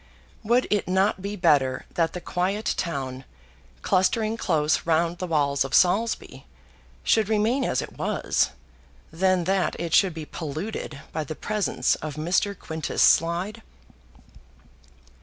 Would it not be better that the quiet town, clustering close round the walls of Saulsby, should remain as it was, than that it should be polluted by the presence of Mr. Quintus Slide?